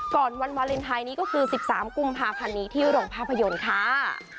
วันวาเลนไทยนี้ก็คือ๑๓กุมภาพันธ์นี้ที่โรงภาพยนตร์ค่ะ